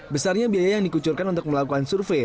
besarnya biaya yang dikucurkan untuk melakukan survei